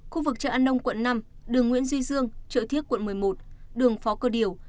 khu vực chợ an nông quận năm đường nguyễn duy dương chợ thiết quận một mươi một đường phó cơ điều